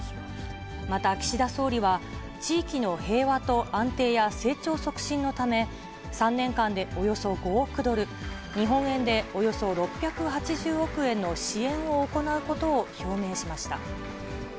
また岸田総理は、地域の平和と安定や成長促進のため、３年間でおよそ５億ドル、日本円でおよそ６８０億円の支援を行うことを表明しました。